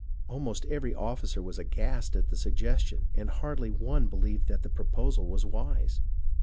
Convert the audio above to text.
Almost every officer was aghast at the suggestion, and hardly one believed that the proposal was wise.